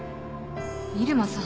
入間さん。